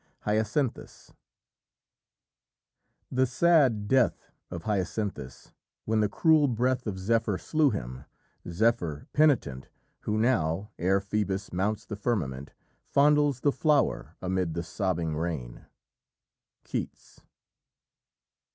HYACINTHUS ... "The sad death Of Hyacinthus, when the cruel breath Of Zephyr slew him Zephyr penitent Who now, ere Phœbus mounts the firmament, Fondles the flower amid the sobbing rain." Keats.